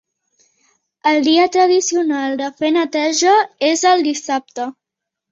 El dia tradicional de fer neteja és el dissabte.